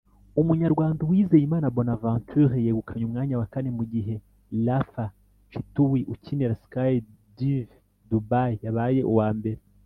Umunyarwanda Uwizeyimana Bonaventure yegukanye umwanya wa kane mu gihe Rafaâ Chtioui ukinira Sky Dive Dubai yabaye uwa mbere